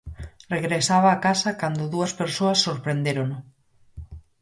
Regresaba a casa cando dúas persoas sorprendérono.